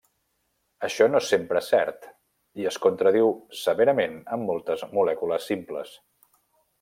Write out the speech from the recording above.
Això no és sempre cert i es contradiu severament en moltes molècules simples.